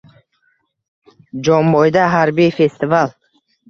Jomboyda harbiy festival